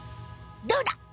どうだ？